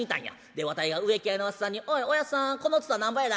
でわたいが植木屋のおっさんに『おいおやっさんこの蔦なんぼやな』